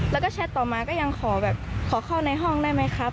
แล้วก็แชทต่อมาก็ยังขอแบบขอเข้าในห้องได้ไหมครับ